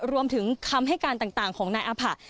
รวมถึงคำให้การต่างของนายอาผะ